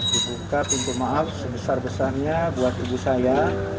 dibuka pintu maaf sebesar besarnya buat ibu saya